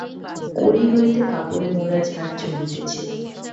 কড়ি হইতে কাপড়ে মোড়া ঝাড় ঝুলিতেছে।